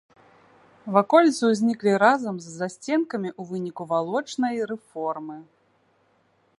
Ваколіцы ўзніклі разам з засценкамі ў выніку валочнай рэформы.